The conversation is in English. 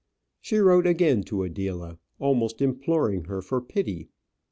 She wrote again to Adela, almost imploring her for pity.